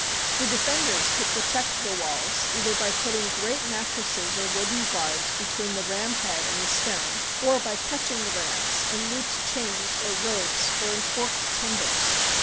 The defenders could protect the walls either by putting great mattresses or wooden guards between the ram head and the stone, or by catching the rams in looped chains or ropes or in forked timbers.